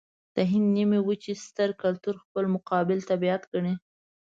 د هند د نيمې وچې ستر کلتور خپل مقابل طبیعت ګڼي.